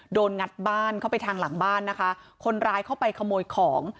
งัดบ้านเข้าไปทางหลังบ้านนะคะคนร้ายเข้าไปขโมยของ